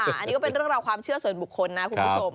อันนี้ก็เป็นเรื่องราวความเชื่อส่วนบุคคลนะคุณผู้ชม